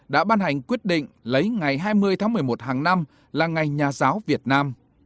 đã ban hành quyết định lấy ngày hai mươi tháng một mươi một hàng năm là ngày nhà giáo việt nam